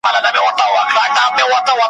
څه به وساتي ځالۍ د توتکیو `